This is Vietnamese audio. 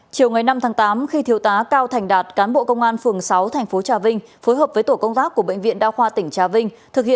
chiều ngày năm tháng tám khi thiếu tá cao thành đạt cán bộ công an phường sáu thành phố trà vinh phối hợp với tổ công tác của bệnh viện đa khoa tỉnh trà vinh